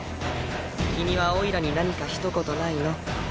君はおいらに何かひと言ないの？